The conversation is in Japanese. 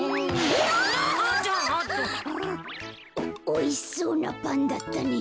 おおいしそうなパンだったね。